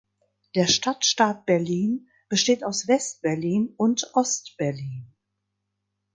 Der Stadtstaat Berlin besteht aus Westberlin und Ostberlin.